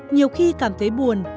nhiều khi cảm thấy buồn